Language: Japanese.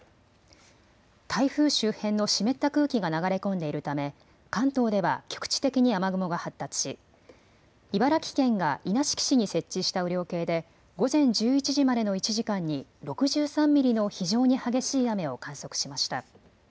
台風周辺の湿った空気が流れ込んでいるため関東では局地的に雨雲が発達し、茨城県が稲敷市に設置した雨量計で午前１１時までの１時間に６３ミリの非常に激しい雨を観測しました。